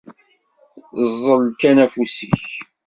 Ẓẓel kan afus-ik!